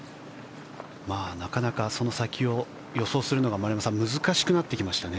なかなかその先を予想するのが難しくなってきましたね。